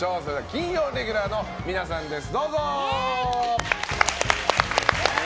金曜レギュラーの皆さんです。